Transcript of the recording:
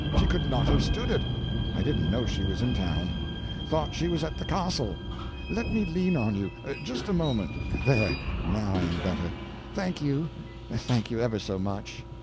She could not have stood it. I didn't know she was in town thought she was at the castle. Let me lean on you just a moment there; now I am better thank you; thank you ever so much.